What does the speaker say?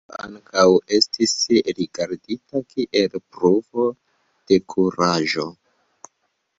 Tio ankaŭ estis rigardita kiel pruvo de kuraĝo.